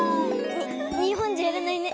にほんじゃやらないね。